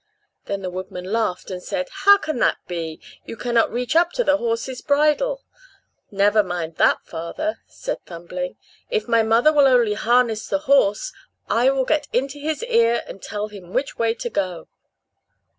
Then the woodman laughed and said, "How can that be? You cannot reach up to the horse's bridle." "Never mind that, father," said Thumbling; "if my mother will only harness the horse, I will get into his ear, and tell him which way to go."